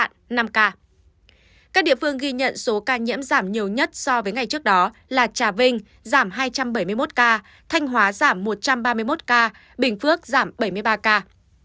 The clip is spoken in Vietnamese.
các địa phương ghi nhận số ca nhiễm giảm nhiều nhất so với ngày trước đó là trà vinh giảm hai trăm bảy mươi một ca thanh hóa giảm một trăm ba mươi một ca bình phước giảm bảy mươi ba ca